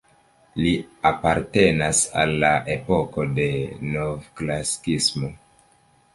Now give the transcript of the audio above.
Li apartenas al la epoko de novklasikismo.